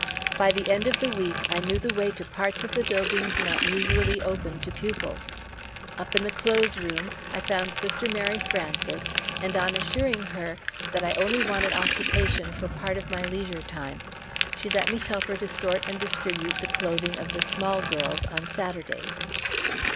By the end of the week I knew the way to parts of the buildings not usually open to pupils. Up in the clothes room, I found Sister Mary Frances, and on assuring her that I only wanted occupation for part of my leisure time, she let me help her to sort and distribute the clothing of the small girls, on Saturdays.